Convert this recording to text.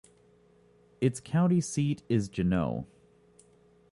Its county seat is Juneau.